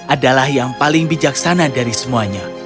adalah yang paling bijaksana dari semuanya